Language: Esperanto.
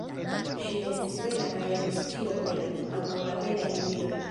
Ŝi estis bela kaj amis ĉion belan, ankaŭ la belajn virojn.